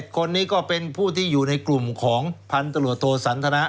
คนนี้ก็เป็นผู้ที่อยู่ในกลุ่มของพันตรวจโทสันทนะ